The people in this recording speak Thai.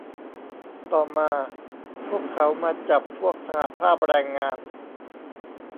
ต่อมา พวกเขามาจับพวกสหภาพแรงงาน